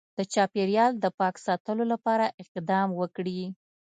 د چاپیریال د پاک ساتلو لپاره اقدام وکړي